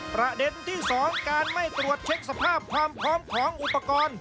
ประเด็นที่๒การไม่ตรวจเช็คสภาพความพร้อมของอุปกรณ์